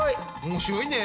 面白いね。